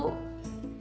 saya gak mau sekolah